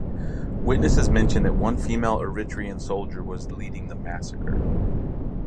Witnesses mention that one female Eritrean soldier was leading the massacre.